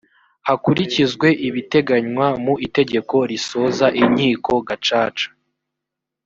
hakurikizwe ibiteganywa mu itegeko risoza inkiko gacaca